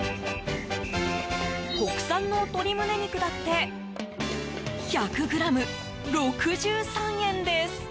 国産の鶏胸肉だって１００ｇ６３円です。